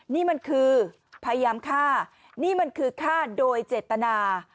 นี่มันคือพยายามฆ่านี่มันคือฆ่าโดยเจตนา